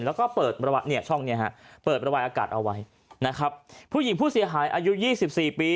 แล้วก็เปิดบรรไบอากาศเอาไว้ผู้หญิงผู้เสียหายอายุ๒๔ปี